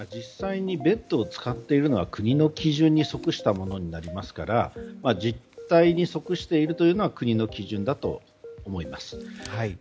実際にベッドを使っているのは国の基準に即したものになりますから実態に即しているというのは国の基準だと思います。